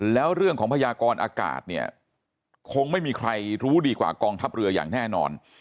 แล้วเรื่องของพยากรอากาศเนี่ยคงไม่มีใครรู้ดีกว่ากองทัพเรืออย่างแน่นอน